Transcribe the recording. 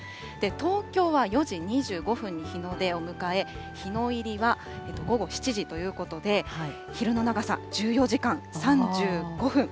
東京は４時２５分に日の出を迎え、日の入りは午後７時ということで、昼の長さ１４時間３５分。